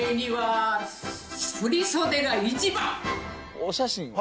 お写真を。